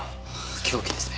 凶器ですね。